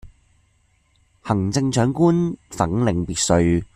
行政長官粉嶺別墅